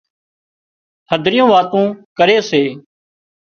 هڌريون واتون ڪري سي